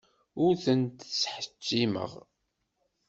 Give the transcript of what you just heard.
Ur tent-ttḥettimeɣ.